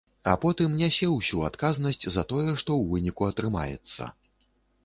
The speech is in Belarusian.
А потым нясе ўсю адказнасць за тое, што ў выніку атрымаецца.